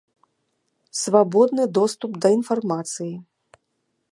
Свабодны доступ да інфармацыі.